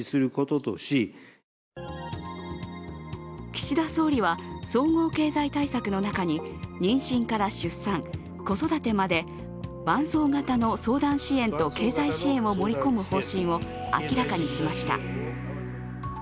岸田総理は、総合経済対策の中に妊娠から出産、子育てまで伴走型の相談支援と経済支援を盛り込む方針を明らかにしました。